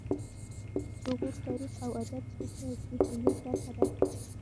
د غور تاریخ او ادب زموږ د اصلي هویت برخه ده